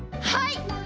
はい！